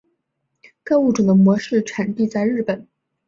该物种的模式产地在日本。